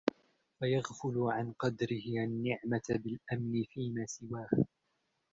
فَيَغْفُلُ عَنْ قَدْرِ النِّعْمَةِ بِالْأَمْنِ فِيمَا سِوَاهُ